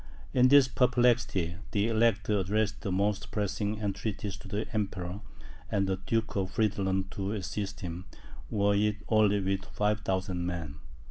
In this perplexity, the Elector addressed the most pressing entreaties to the Emperor and the Duke of Friedland to assist him, were it only with 5,000 men.